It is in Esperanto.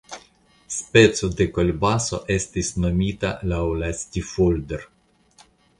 Speco de kolbaso estis nomita laŭ la "Stifolder".